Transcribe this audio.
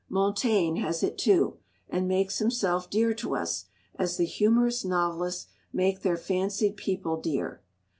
Montaigne has it too, and makes himself dear to us, as the humorous novelists make their fancied people dear.